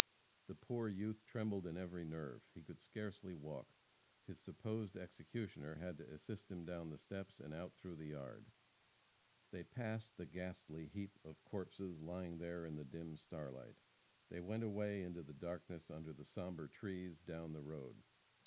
The poor youth trembled in every nerve. He could scarcely walk. His supposed executioner had to assist him down the steps and out through the yard. They passed the ghastly heap of corpses, lying there in the dim starlight. They went away, into the darkness under the sombre trees, down the road.